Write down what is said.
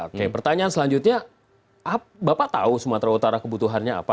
oke pertanyaan selanjutnya bapak tahu sumatera utara kebutuhannya apa